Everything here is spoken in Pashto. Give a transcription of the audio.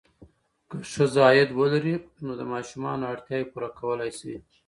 که ښځه عاید ولري، نو د ماشومانو اړتیاوې پوره کولی شي.